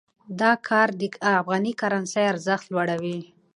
دا کار د افغاني کرنسۍ ارزښت لوړوي.